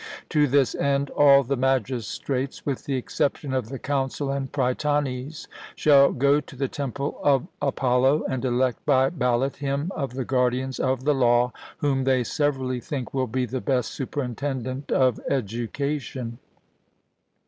To this end all the magistrates, with the exception of the council and prytanes, shall go to the temple of Apollo, and elect by ballot him of the guardians of the law whom they severally think will be the best superintendent of education.